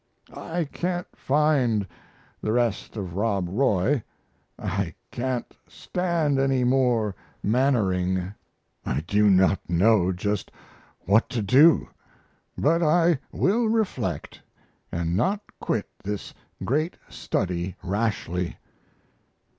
I can't find the rest of Rob Roy, I, can't stand any more Mannering I do not know just what to do, but I will reflect, & not quit this great study rashly....